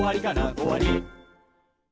「おわり」